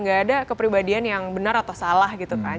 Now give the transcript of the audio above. gak ada kepribadian yang benar atau salah gitu kan